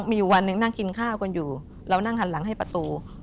มีอยู่วันหนึ่งนั่งกินข้าวกันอยู่เรานั่งหันหลังให้ประตู